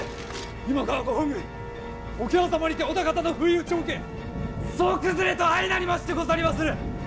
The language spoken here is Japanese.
今川ご本軍桶狭間にて織田方の不意打ちを受け総崩れと相なりましてござりまする！